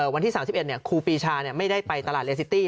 วันที่๓๑ครูปีชาไม่ได้ไปตลาดเลซิตี้